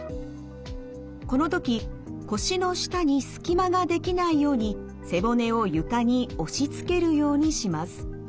この時腰の下に隙間が出来ないように背骨を床に押しつけるようにします。